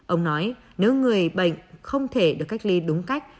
ông nói nếu người bệnh không thể được cách ly đúng cách